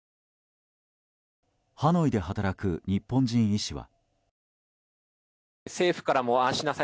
ハノイで働く日本人医師は。